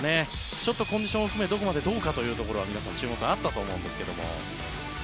ちょっとコンディションを含めどこまでどうかというのは皆さん注目だったと思うんですが。